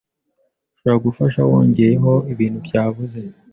ushobora gufasha wongeyeho ibintu byabuze